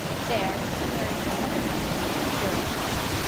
There she married her second husband, Gerd.